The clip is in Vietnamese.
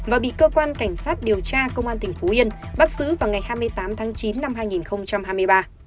và bị cơ quan cảnh sát điều tra công an tỉnh phú yên bắt xử vào ngày hai mươi tám tháng chín năm hai nghìn hai mươi ba